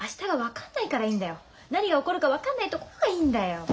何が起こるか分かんないところがいいんだよ。